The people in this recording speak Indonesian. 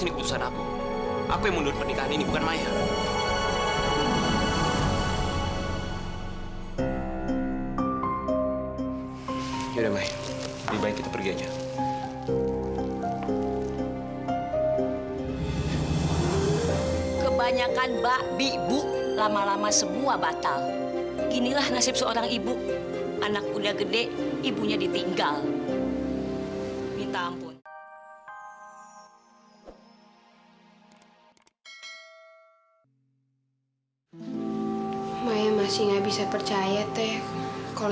ibu gak ada cerita apa apa sama tete sebelum dia meninggal